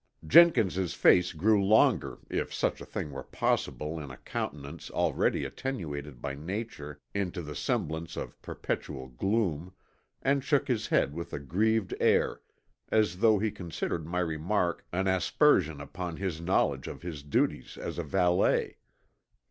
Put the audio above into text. Jenkins' face grew longer if such a thing were possible in a countenance already attenuated by nature into the semblance of perpetual gloom, and shook his head with a grieved air as though he considered my remark an aspersion upon his knowledge of his duties as a valet.